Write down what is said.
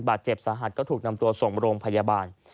บาดเจ็บสาหัสก็ถูกนำตัวส่งโรงพยาบาล